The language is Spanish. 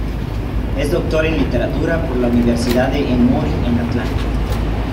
Es Doctor en Literatura por la Universidad de Emory en Atlanta.